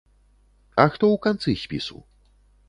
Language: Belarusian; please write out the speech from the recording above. А хто ў канцы спісу?